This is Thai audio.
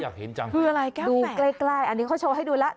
คืออะไรแก้วแฟดดูใกล้อันนี้เขาโชว์ให้ดูแล้ว